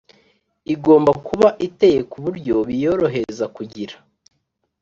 Igomba kuba iteye ku buryo biyorohereza kugira